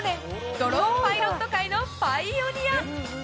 ドローンパイロット界のパイオニア。